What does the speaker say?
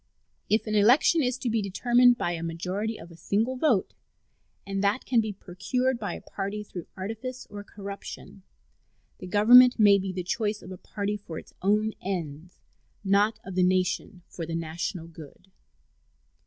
If an election is to be determined by a majority of a single vote, and that can be procured by a party through artifice or corruption, the Government may be the choice of a party for its own ends, not of the nation for the national good.